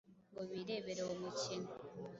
ngo birebere uwo mukino.